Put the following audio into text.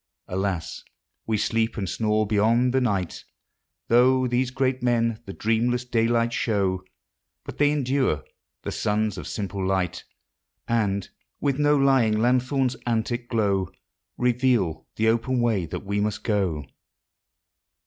Alas! we sleep and snore beyond the night, Tho' these great men the dreamless daylight show; But they endure—the Sons of simple Light— And, with no lying lanthorne's antic glow, Reveal the open way that we must go.